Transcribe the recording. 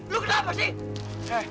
lu kenapa sih